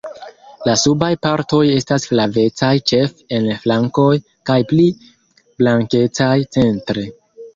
La subaj partoj estas flavecaj ĉefe en flankoj kaj pli blankecaj centre.